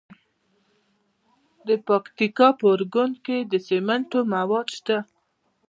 د پکتیکا په ارګون کې د سمنټو مواد شته.